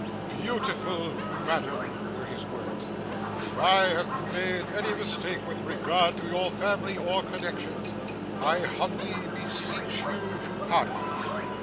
'Beautiful madam,' such were his words, 'if I have made any mistake with regard to your family or connections, I humbly beseech you to pardon me.